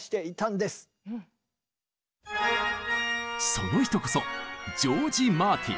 その人こそジョージ・マーティン。